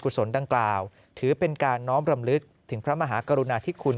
ศลดังกล่าวถือเป็นการน้อมรำลึกถึงพระมหากรุณาธิคุณ